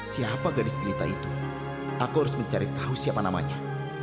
siapa gadis cerita itu aku harus mencari tahu siapa namanya